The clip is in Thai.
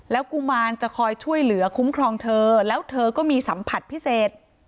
กุมารจะคอยช่วยเหลือคุ้มครองเธอแล้วเธอก็มีสัมผัสพิเศษ